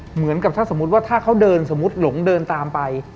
เหมือนกับถ้าสมมุติว่าถ้าเขาเดินสมมุติหลงเดินตามไป